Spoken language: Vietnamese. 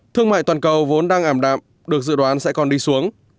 thương mại toàn cầu vốn đang ảm đạm được dự đoán sẽ còn đi xuống